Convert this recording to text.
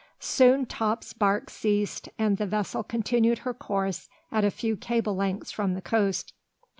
Soon Top's barks ceased, and the vessel continued her course at a few cable lengths from the coast.